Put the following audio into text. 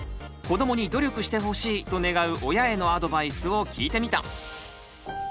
「子どもに努力してほしい！」と願う親へのアドバイスを聞いてみた！